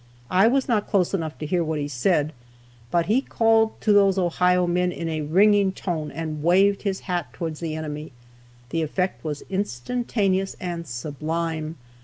I was not close enough to hear what he said, but he called to those Ohio men in a ringing tone, and waved his hat towards the enemy. The effect was instantaneous and sublime.